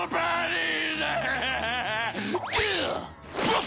ああ。